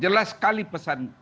jelas sekali pesan politiknya itu